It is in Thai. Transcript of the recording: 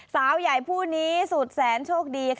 สาวใหญ่ผู้นี้สุดแสนโชคดี